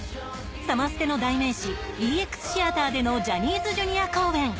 サマステの代名詞ＥＸＴＨＥＡＴＥＲでのジャニーズＪｒ．公演。